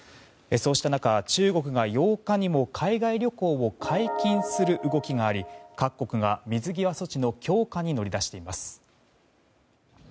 そうした中、中国が８日にも海外旅行を解禁する動きがあり各国が水際措置の強化に乗り出しています。